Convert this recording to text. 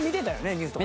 ニュースとか。